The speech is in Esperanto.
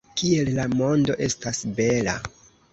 Kiel la mondo estas bela!